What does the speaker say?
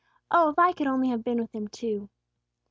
Oh, if I could only have been with Him, too!"